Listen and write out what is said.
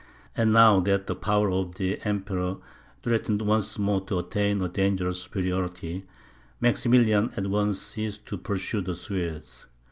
And now that the power of the Emperor threatened once more to attain a dangerous superiority, Maximilian at once ceased to pursue the Swedes.